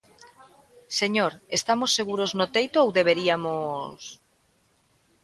Señor, estamos seguros no teito ou deberiamos...